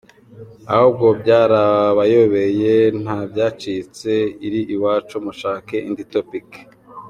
ahubwo byarabayobeye ntabyacitse iri iwacu mushake indi Topic